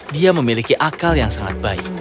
dia memiliki akal yang sangat baik